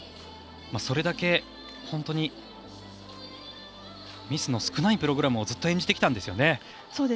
それだけ本当にミスの少ないプログラムをずっと演じてきたんですよね。